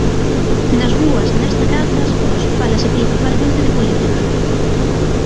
Nas rúas e nas terrazas, hoxe fálase principalmente de política.